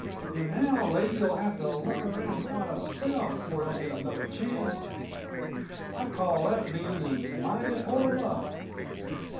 An' now Lazy'll have to look around quite a spell before he'll get another chancst. I'd call that bein' in mighty poor luck."